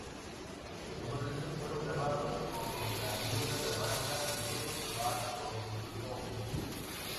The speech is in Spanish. Ambos discos fueron grabados con la ayuda de la banda de Bartholomew.